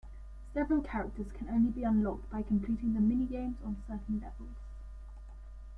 Several characters can only be unlocked by completing the minigames on certain levels.